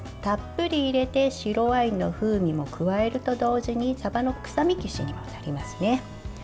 たっぷり入れて白ワインの風味も加えると同時にさばの臭み消しにもなりますね。